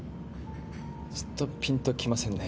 ちょっとピンときませんね。